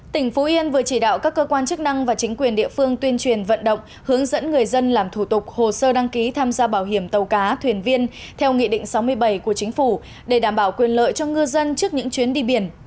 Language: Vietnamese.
tỉnh phú yên vừa chỉ đạo các cơ quan chức năng và chính quyền địa phương tuyên truyền vận động hướng dẫn người dân làm thủ tục hồ sơ đăng ký tham gia bảo hiểm tàu cá thuyền viên theo nghị định sáu mươi bảy của chính phủ để đảm bảo quyền lợi cho ngư dân trước những chuyến đi biển